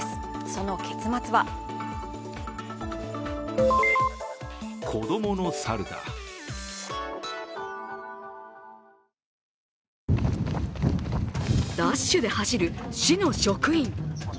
その結末はダッシュで走る市の職員。